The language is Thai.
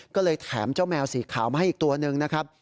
ก็เลยแถมเจ้าแมวสีขาวมาให้อีกตัวหนึ่งนะครับ